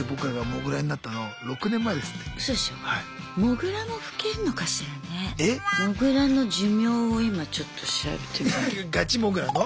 モグラの寿命を今ちょっと調べてみる。